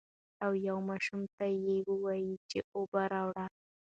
او يو ماشوم ته يې ووې چې اوبۀ راوړه ـ